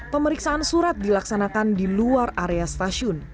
pemeriksaan surat dilaksanakan di luar area stasiun